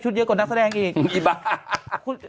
เยอะกว่านักแสดงอีก